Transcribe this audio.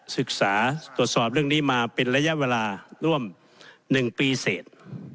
ศึกษาตรวจสอบเรื่องนี้มาเป็นระยะเวลาร่วม๑ปีเสร็จ